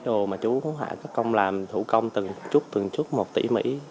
đồ mà chú cũng hạ các công làm thủ công từng chút từng chút một tỷ mỹ